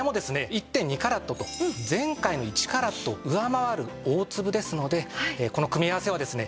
１．２カラットと前回の１カラットを上回る大粒ですのでこの組み合わせはですね